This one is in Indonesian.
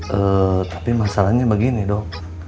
eee tapi masalahnya begini dong